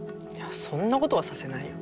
そんなことはさせないよ。